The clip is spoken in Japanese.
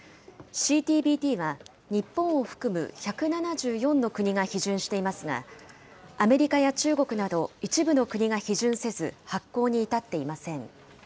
ＣＴＢＴは、日本を含む１７４の国が批准していますが、アメリカや中国など一部の国が批准せず、発効に至っていません。